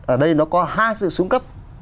ở đây nó có hai sự súng cấp